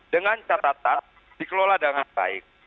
dengan catatan dikelola dengan baik